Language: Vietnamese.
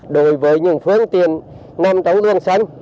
đối với những phương tiện nam đồng luồng xanh